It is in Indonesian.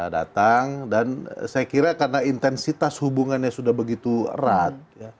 datang dan saya kira karena intensitas hubungannya sudah begitu erat